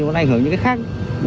nó ảnh hưởng những cái khác